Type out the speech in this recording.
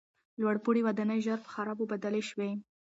لوړپوړي ودانۍ ژر په خرابو بدلې شوې.